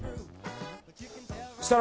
設楽